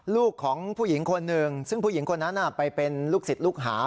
ลูกของผู้หญิงคนหนึ่งซึ่งผู้หญิงคนนั้นไปเป็นลูกศิษย์ลูกหา